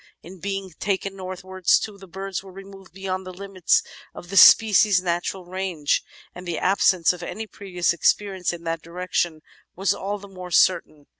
In being taken northwards, too, the birds were removed beyond the limits of the species' natural range, and the absence of any previous experience in that direction was all the more certain.